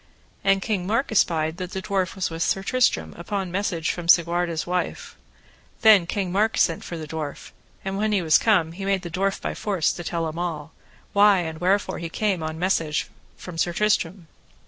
And King Mark espied that the dwarf was with Sir Tristram upon message from Segwarides' wife; then King Mark sent for the dwarf, and when he was come he made the dwarf by force to tell him all, why and wherefore that he came on message from Sir Tristram.